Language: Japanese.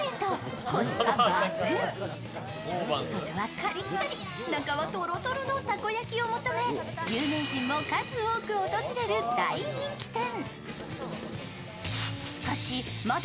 外はカリッカリ中はとろとろのたこ焼きを求め有名人も数多く訪れる大人気店。